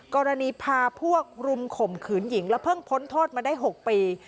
กรณีพาพวกรุมข่มขืนหญิงและเพิ่งพ้นโทษมาได้๖ปี